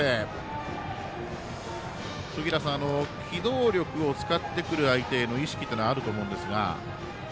杉浦さん機動力を使ってくる相手への意識というのはあると思うんですが。